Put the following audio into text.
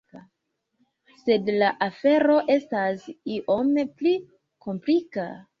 Sed la afero estas iom pli komplika.